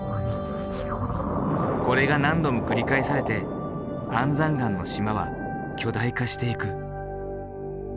これが何度も繰り返されて安山岩の島は巨大化していく。